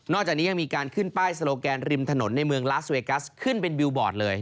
จากนี้ยังมีการขึ้นป้ายโลแกนริมถนนในเมืองลาสเวกัสขึ้นเป็นบิวบอร์ดเลย